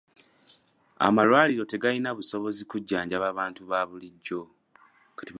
Amalwaliro tegalina obusobozi kujjanjaba bantu ba bulijjo.